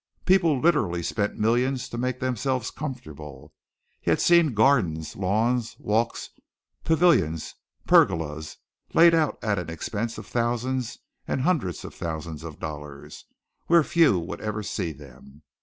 People literally spent millions to make themselves comfortable. He had seen gardens, lawns, walks, pavilions, pergolas, laid out at an expense of thousands and hundreds of thousands of dollars, where few would ever see them.